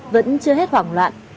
vẫn chưa hết hoảng loạn